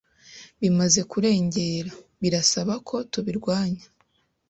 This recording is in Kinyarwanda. bimaze kurengera birasaba ko tubirwanya